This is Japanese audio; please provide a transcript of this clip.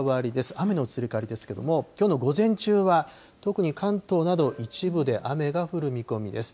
雨の移り変わりですけれども、きょうの午前中は特に関東など、一部で雨が降る見込みです。